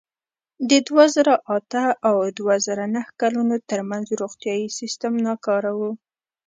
د دوه زره اته او دوه زره نهه کلونو ترمنځ روغتیايي سیستم ناکار و.